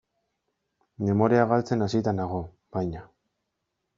Memoria galtzen hasita nago, baina.